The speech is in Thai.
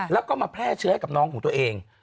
แล้วก็มาแพร่เชื้อให้กับน้องของตัวเอง